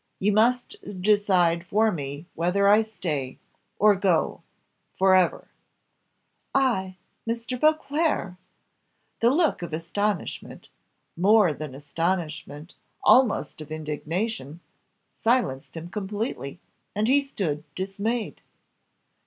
You must decide for me whether I stay or go for ever!" "I! Mr. Beauclerc! " The look of astonishment more than astonishment, almost of indignation silenced him completely, and he stood dismayed.